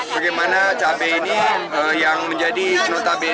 bagaimana cabai ini yang menjadi pedagang pasar